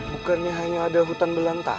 bukannya hanya ada hutan belanta